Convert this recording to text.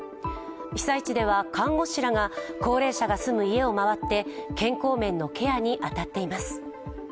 被災地では看護師らが高齢者が住む家をまわって健康面のケアに当たっています。